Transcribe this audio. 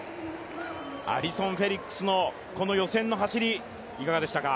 アリソン・フェリックスのこの予選の走り、いかがでしたか。